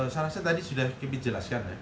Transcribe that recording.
saya rasa tadi sudah dijelaskan ya